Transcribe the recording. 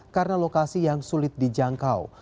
karena lokasi yang sulit dijangkau